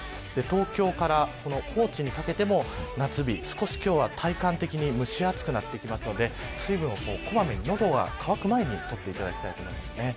東京から高知にかけても夏日、少し今日は体感的に蒸し暑くなってきますので水分をこまめに喉が渇く前にとっていただきたいと思います。